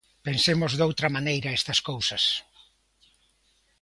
Pensemos doutra maneira estas cousas.